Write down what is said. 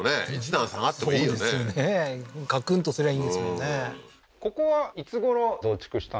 カクンとすりゃいいんですもんね